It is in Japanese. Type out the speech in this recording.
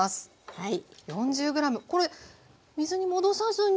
はい。